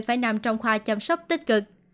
trẻ em đang phải nằm trong khoa chăm sóc tích cực